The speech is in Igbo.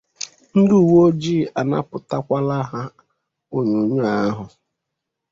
ndị uwe ojii anapụtakwala ha onyonyoo ahụ